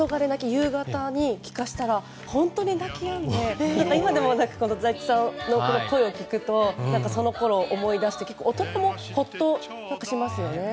夕方に聴かせたら本当に泣きやんで、今でも財津さんの声を聞くとそのころを思い出して結構、大人もほっとしますよね。